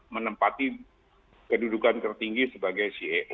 menempati kedudukan tertinggi sebagai ceo